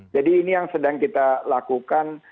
jadi ini yang sedang kita lakukan